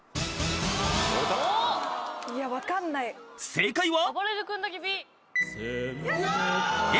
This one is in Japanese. ［正解は？］